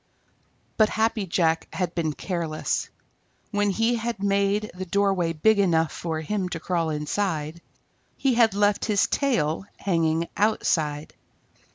But Happy Jack had been careless. When he had made the doorway big enough for him to crawl inside, he had left his tail hanging outside.